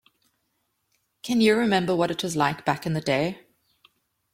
Can you remember what it was like back in the day?